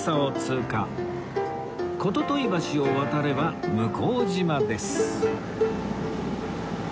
言問橋を渡れば向島です